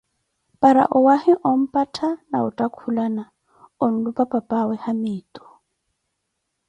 para owaahi omphattha na otthakulana, onlupah papawe Haamitu.